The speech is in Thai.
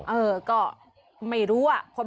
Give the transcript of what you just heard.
เออก็ไม่รู้อะ